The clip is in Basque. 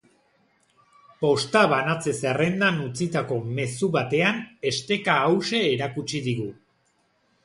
Posta banatze-zerrendan utzitako mezu batean esteka hauxe erakutsi digu.